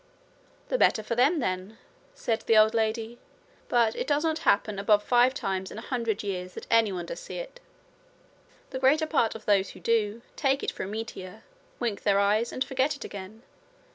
'The better for them, then,' said the old lady. 'But it does not happen above five times in a hundred years that anyone does see it. The greater part of those who do take it for a meteor, wink their eyes, and forget it again.